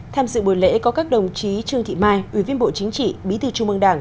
tham dự buổi lễ có các đồng chí trương thị mai ủy viên bộ chính trị bí thư trung mương đảng